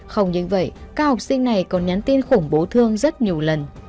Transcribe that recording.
không những vậy các học sinh này còn nhắn tin khủng bố thương rất nhiều lần